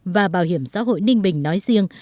và bảo hiểm xã hội ninh bình nói riêng